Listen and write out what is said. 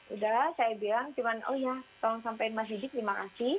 udah saya bilang oh ya tolong sampein mbak didi terima kasih